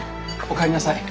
お帰りなさい。